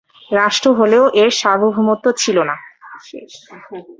রাষ্ট্র হলেও এর সার্বভৌমত্ব ছিল না।